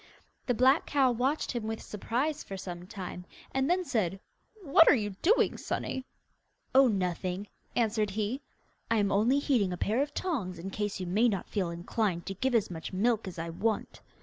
The black cow watched him with surprise for some time, and then said: 'What are you doing, sonny?' 'Oh, nothing,' answered he; 'I am only heating a pair of tongs in case you may not feel inclined to give as much milk as I want.